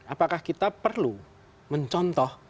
apakah kita perlu mencontoh